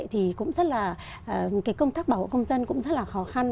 thì cũng rất là công tác bảo hộ công dân cũng rất là khó khăn